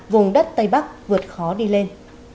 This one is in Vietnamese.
vùng đất tây bắc vượt khó đi lên